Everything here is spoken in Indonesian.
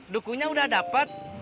dukunya udah dapet